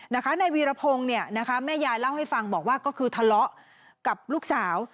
นายวีรพงศ์เนี่ยนะคะแม่ยายเล่าให้ฟังบอกว่าก็คือทะเลาะกับลูกสาว